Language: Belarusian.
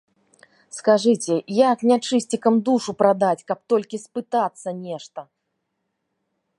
Скажыце, як нячысцікам душу прадаць, каб толькі спытацца нешта?